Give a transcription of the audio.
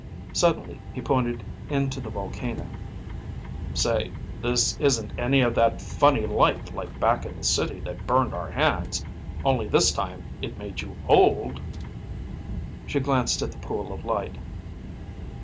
Suddenly he pointed in to the volcano. "Say, this isn't any of that funny light like back in the city that burned our hands, only this time it made you old?" She glanced at the pool of light.